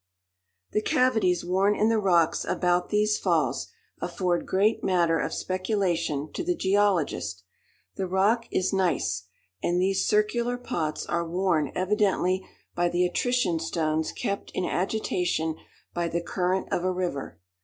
The cavities worn in the rocks about these Falls, afford great matter of speculation to the geologist. The rock is gneiss, and these circular pots are worn evidently by the attrition stones kept in agitation by the current of a river.